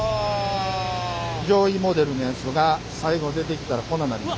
上位モデルのやつが最後出てきたらこんなんなります。